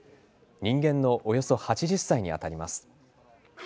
人間のおよそ８０歳にあたります。